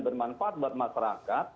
bermanfaat buat masyarakat